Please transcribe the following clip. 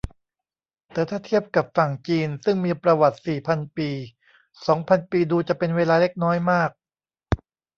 แต่ถ้าเทียบกับฝั่งจีนซึ่งมีประวัติสี่พันปี สองพันปีดูจะเป็นเวลาเล็กน้อยมาก